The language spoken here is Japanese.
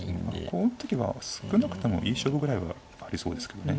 こう打っとけば少なくともいい勝負ぐらいはありそうですけどね。